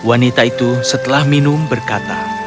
wanita itu setelah minum berkata